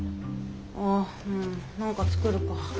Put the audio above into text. あっ何か作るか。